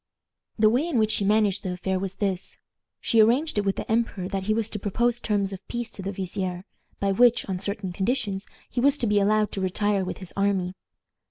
The way in which she managed the affair was this. She arranged it with the emperor that he was to propose terms of peace to the vizier, by which, on certain conditions, he was to be allowed to retire with his army.